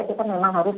kita memang harus